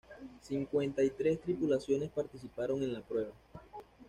Cincuenta y tres tripulaciones participaron en la prueba.